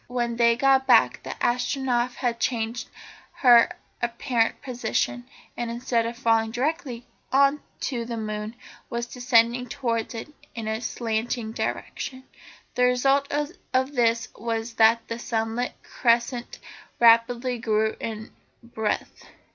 When they got back the Astronef had changed her apparent position, and, instead of falling directly on to the moon, was descending towards it in a slanting direction. The result of this was that the sunlit crescent rapidly grew in breadth.